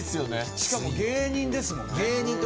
しかも芸人ですもん。